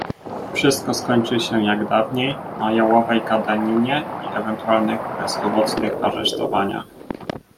"Wszystko skończy się, jak dawniej, na Jałowej gadaninie i ewentualnych bezowocnych aresztowaniach."